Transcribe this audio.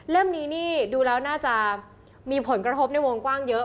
นี้นี่ดูแล้วน่าจะมีผลกระทบในวงกว้างเยอะ